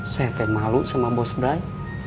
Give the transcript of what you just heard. saya tuh malu sama bos brai